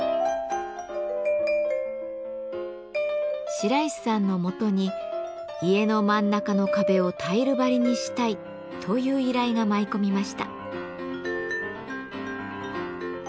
白石さんのもとに「家の真ん中の壁をタイル張りにしたい」という依頼が舞い込みました。